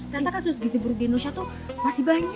ternyata kasus gizi buruk di indonesia tuh masih banyak